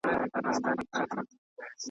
له دې شاړو وچو مځکو بیا غاټول را زرغونیږي .